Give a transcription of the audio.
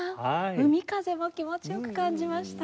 海風も気持ち良く感じました